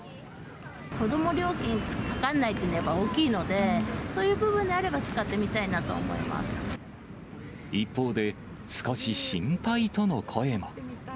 子ども料金がかかんないっていうのはやっぱ大きいので、そういう部分であれば使ってみた一方で少し心配との声も。